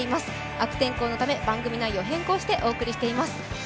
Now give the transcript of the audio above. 悪天候のため番組内容を変更してお送りしています。